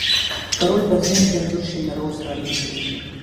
که رول په ذهن کې انځور شي، له رول سره اړیکه جوړیږي.